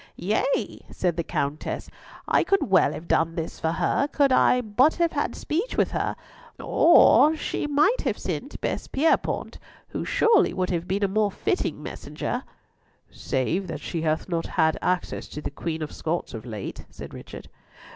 "Yea," said the Countess, "I could well have done this for her could I but have had speech with her. Or she might have sent Bess Pierrepoint, who surely would have been a more fitting messenger." "Save that she hath not had access to the Queen of Scots of late," said Richard.